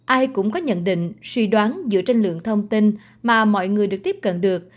ai cũng có nhận định suy đoán dựa trên lượng thông tin mà mọi người được tiếp cận được